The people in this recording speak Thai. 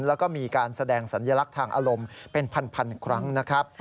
แล้วก็มีการแสดงสัญลักษณ์ทางอารมณ์เป็นพันครั้งนะครับ